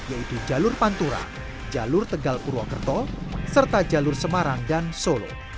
yaitu jalur pantura jalur tegal purwokerto serta jalur semarang dan solo